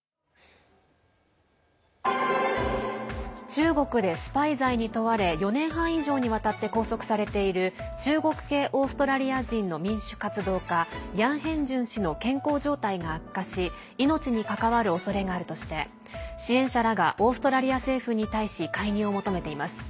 中国でスパイ罪に問われ４年半以上にわたって拘束されている中国系オーストラリア人の民主活動家ヤン・ヘンジュン氏の健康状態が悪化し命に関わるおそれがあるとして支援者らがオーストラリア政府に対し介入を求めています。